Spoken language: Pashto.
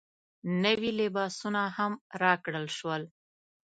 نوي لباسونه هم راکړل شول.